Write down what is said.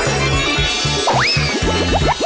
แล้วดูมันพองแหละพอไม่พองแล้วเราก็ปล่อยลงไปได้เลย